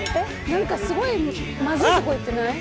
何かすごいまずいとこ行ってない？